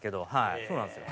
そうなんですよ。